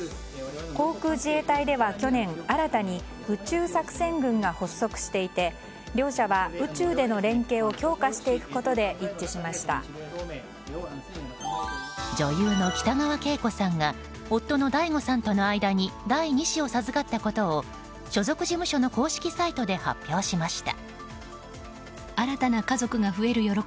航空自衛隊では去年新たに宇宙作戦群が発足していて両者は宇宙での連携を強化していくことで女優の北川景子さんが夫のＤＡＩＧＯさんとの間に第２子を授かったことを所属事務所の公式サイトで発表しました。